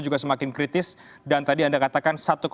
juga semakin kritis dan tadi anda katakan